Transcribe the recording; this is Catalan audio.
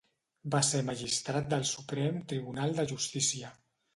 Va ser magistrat del Suprem Tribunal de Justícia.